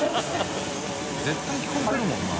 簑聞こえてるもんな。